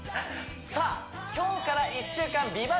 さあ今日から１週間美